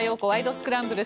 スクランブル」。